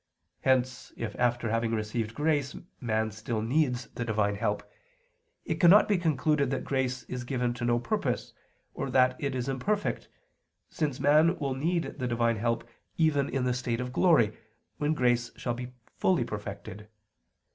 Hence if after having received grace man still needs the Divine help, it cannot be concluded that grace is given to no purpose, or that it is imperfect, since man will need the Divine help even in the state of glory, when grace shall be fully perfected.